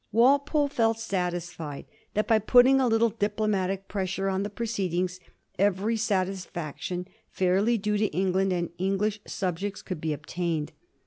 Walpole felt satisfied that by pat ting a little diplomatic pressure on the proceedings every satisfaction fairly due to England and English subjects could be obtained.